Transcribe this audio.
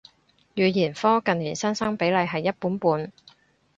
語言科近年新生比例係一半半